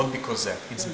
bukan karena itu